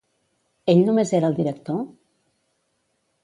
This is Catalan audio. Ell només era el director?